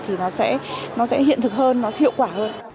thì nó sẽ hiện thực hơn hiệu quả hơn